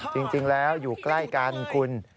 จริงแล้วอยู่ใกล้กันคุณ